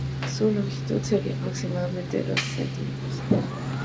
Su longitud sería aproximadamente de doce centímetros.